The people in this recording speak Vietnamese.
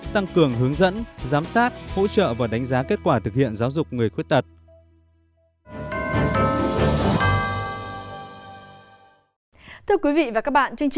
tăng cường hướng dẫn giám sát hỗ trợ và đánh giá kết quả thực hiện giáo dục người khuyết tật